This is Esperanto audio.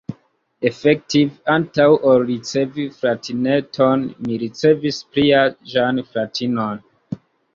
Efektive, antaŭ ol ricevi fratineton, mi ricevis pliaĝan fratinon!